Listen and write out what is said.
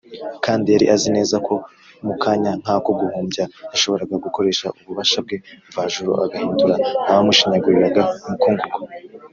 kandi yari azi neza ko mu kanya nk’ako guhumbya, yashoboraga gukoresha ububasha bwe mvajuru, agahindura abamushinyaguriraga umukungugu